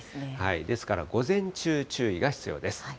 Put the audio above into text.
ですから、午前中、注意が必要です。